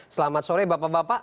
selamat sore bapak bapak